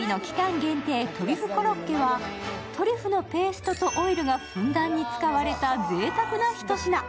限定トリュフコロッケはトリュフのペーストとオイルがふんだんに使われたぜいたくな一品。